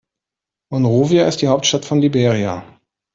Monrovia ist die Hauptstadt von Liberia.